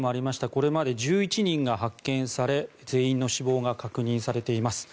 これまで１１人が発見され全員の死亡が確認されています。